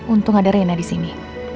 untung ada reina di sini